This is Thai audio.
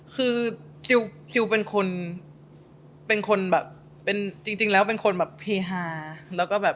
คือซิลเป็นคนจริงแล้วเป็นคนพิฮาแล้วก็แบบ